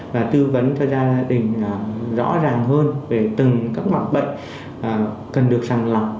và tư vấn cho gia đình rõ ràng hơn về từng các mặt bệnh cần được sàng lọc